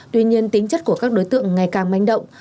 tuy nhiên tính chất của các đối tượng ngày càng manh động